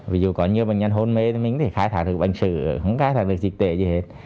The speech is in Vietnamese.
ví dụ có nhiều bệnh nhân hôn mê thì mình thì khai thả được bệnh sử không khai thả được dịch tệ gì hết